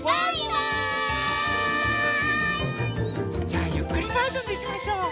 じゃあゆっくりバージョンでいきましょう。